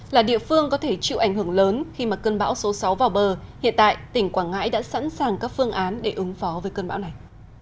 là địa phương có thể chịu ảnh hưởng lớn khi mà cơn bão số sáu vào bờ hiện tại tỉnh quảng ngãi đã sẵn sàng các phương án để ứng phó với cơn bão này